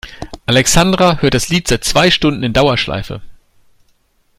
Alexandra hört das Lied seit zwei Stunden in Dauerschleife.